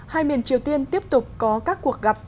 hai miền triều tiên tiếp tục có các cuộc gặp